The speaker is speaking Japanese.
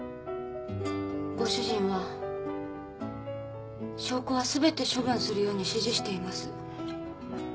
ご主人は証拠はすべて処分するように指示しています。